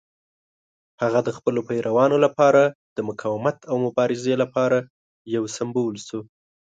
هغه د خپلو پیروانو لپاره د مقاومت او مبارزې لپاره یو سمبول شو.